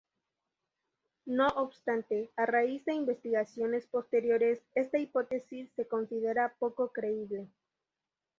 No obstante, a raíz de investigaciones posteriores esta hipótesis se considera poco creíble.